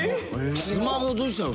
スマホどうしたの？